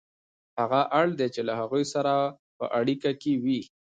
هغه اړ دی چې له هغوی سره په اړیکه کې وي